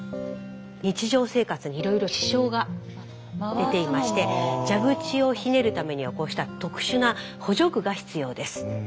日常生活にいろいろ支障が出ていまして蛇口をひねるためにはこうした特殊な補助具が必要です。